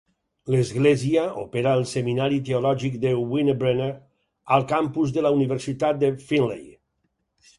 L'església opera el seminari teològic de Winebrenner al campus de la Universitat de Findlay.